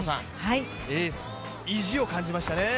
エースの意地を感じましたね。